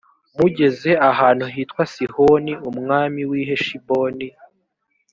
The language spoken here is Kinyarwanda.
mugeze aha hantu sihoni umwami w’i heshiboni